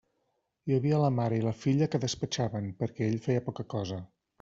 Hi havia la mare i la filla que despatxaven, perquè ell feia poca cosa.